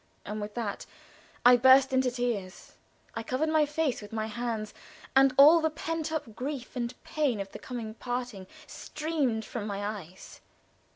And with that I burst into tears. I covered my face with my hands, and all the pent up grief and pain of the coming parting streamed from my eyes.